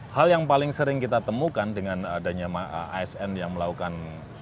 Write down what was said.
hal yang paling sering kita temukan dengan adanya asn yang melakukan